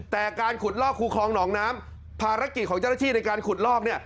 แต่การขุดลอกคูคลองหนองน้ำภารกิจของเจ้าหน้าที่ในการขุดลอกเนี่ย